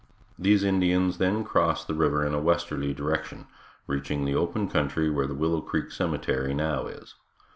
These Indians then crossed the river in a westerly direction, reaching the open country where the Willow Creek cemetery now is.